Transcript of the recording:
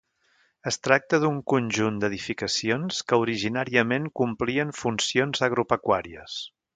Es tracta d'un conjunt d'edificacions que originàriament complien funcions agropecuàries.